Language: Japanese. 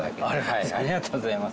ありがとうございます。